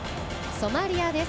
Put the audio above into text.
ソマリアです。